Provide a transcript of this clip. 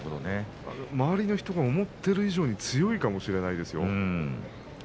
周りの人が思っている以上に強いかもしれませんよ。